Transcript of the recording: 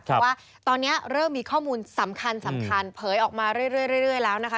เพราะว่าตอนนี้เริ่มมีข้อมูลสำคัญสำคัญเผยออกมาเรื่อยแล้วนะคะ